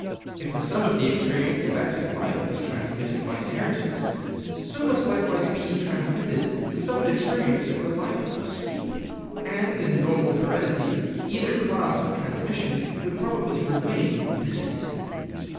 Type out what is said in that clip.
If the sum of the experience of active life be transmitted by inheritance, so must likewise be transmitted the summed experience of the life of sleep. And in normal heredity either class of transmissions would probably remain distinct.